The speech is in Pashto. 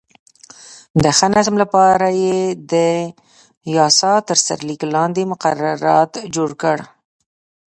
د ښه نظم لپاره یې د یاسا تر سرلیک لاندې مقررات جوړ کړل.